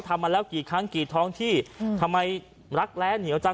มาแล้วกี่ครั้งกี่ท้องที่ทำไมรักแร้เหนียวจัง